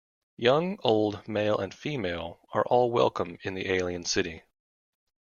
Young, old, male and female are all welcome in the alien city.